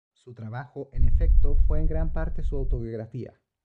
Su trabajo, en efecto, fue en gran parte su autobiografía.